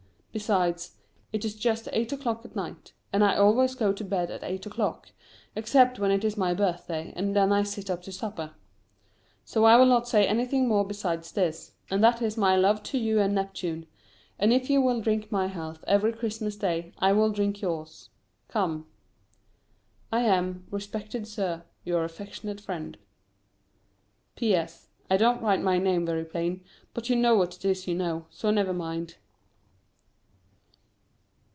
Besides, it is just eight o'clock at night, and I always go to bed at eight o'clock, except when it is my birthday, and then I sit up to supper. So I will not say anything more besides this and that is my love to you and Neptune; and if you will drink my health every Christmas Day I will drink yours come. I am, Respected Sir, Your affectionate Friend. P.S. I don't write my name very plain, but you know what it is you know, so never mind.